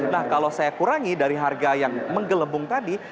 nah kalau saya kurangi dari harga yang menggelembung tadi